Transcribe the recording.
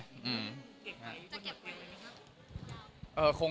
จะเก็บไปไหมครับ